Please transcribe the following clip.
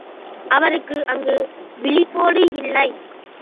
அவரும் அங்கு விழிப்போடு இல்லை.